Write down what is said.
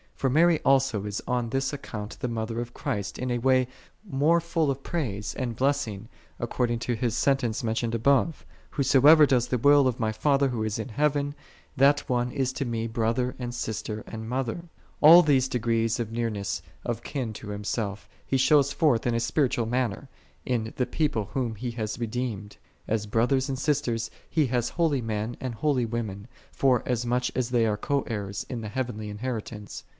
For Mary also is on this account the Mother of Christ in a way more full of praise and blessing, according to His sentence mentioned above. "Whosoever doeth the will of my Father Who is in heaven, that one is to Me brother, and sister, and mother." All these degrees of nearness of kin to Himself, He shows forth in a spiritual manner, in the People whom He hath redeemed: as brothers and sisters He hath holy men and holy women, forasmuch as they all are co heirs in the heavenly inheritance.